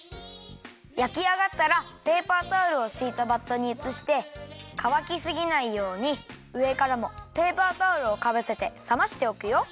やきあがったらペーパータオルをしいたバットにうつしてかわきすぎないようにうえからもペーパータオルをかぶせてさましておくよ。